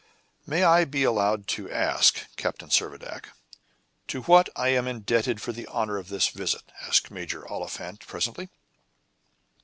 "May I be allowed to ask, Captain Servadac, to what I am indebted for the honor of this visit?" asked Major Oliphant presently.